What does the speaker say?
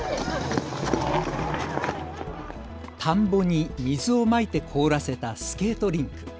田んぼに水をまいて凍らせたスケートリンク。